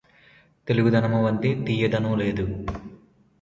తెలుగుదనమువంటి తీయందనము లేదు